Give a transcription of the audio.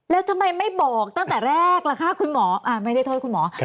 แล้วทำไมไม่บอกตั้งแต่แรกล่ะคะคุณหมอไม่ได้โทษคุณหมอ